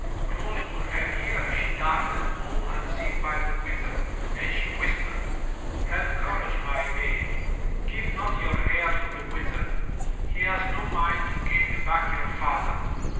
Close to her ear she darted, all unseen by the Wizard, and she whispered: Have courage, my maid. Give not your hair to the Wizard. He has no mind to give you back your father.